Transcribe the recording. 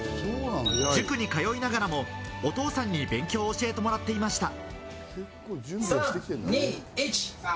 塾に通いながらもお父さんに勉強を教えてもらっていました。